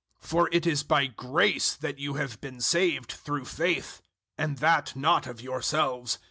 002:008 For it is by grace that you have been saved through faith; and that not of yourselves.